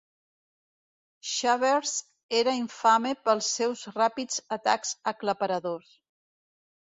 Shavers era infame pels seus ràpids atacs aclaparadors.